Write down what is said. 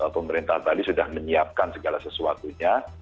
pemerintah bali sudah menyiapkan segala sesuatunya